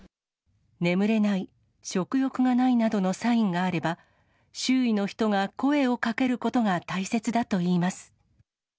眠れない、食欲がないなどのサインがあれば、周囲の人が声をかけることが大切だといいます。